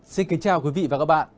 xin kính chào quý vị và các bạn